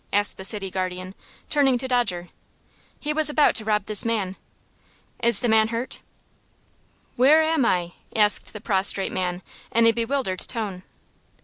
asked the city guardian, turning to Dodger. "He was about to rob this man." "Is the man hurt?" "Where am I?" asked the prostrate man, in a bewildered tone.